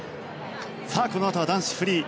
このあとは男子フリー。